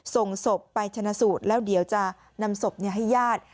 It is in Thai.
ส่งศพไปชนะสูตรแล้วเดี๋ยวจะนำศพให้ญาติ